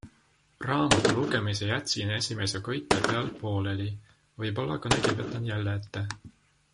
Raamatu lugemise jätsin esimese köite pealt pooleli, võib-olla kunagi võtan jälle ette.